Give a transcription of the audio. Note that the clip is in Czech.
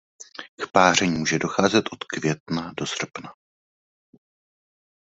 K páření může docházet od května do srpna.